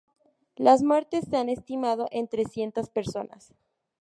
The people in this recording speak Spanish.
Las muertes se han estimado en trescientas personas.